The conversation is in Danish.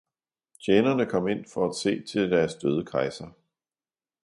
Tjenerne kom ind for at se til deres døde kejser.